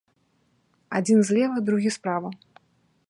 Адзін злева, другі справа.